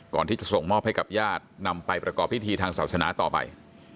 ก่อนที่จะส่งมอบให้กับญาตินำไปประกอบพิธีทางศาสนาต่อไป